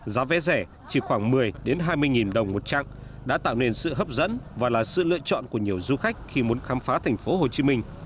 giá vé rẻ chỉ khoảng một mươi hai mươi nghìn đồng một chặng đã tạo nên sự hấp dẫn và là sự lựa chọn của nhiều du khách khi muốn khám phá thành phố hồ chí minh